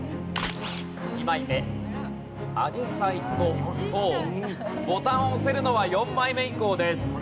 ２枚目ボタンを押せるのは４枚目以降です。